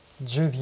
１０秒。